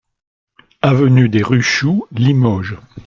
Avenue des Ruchoux, Limoges